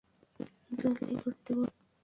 জলদি করতে বলো।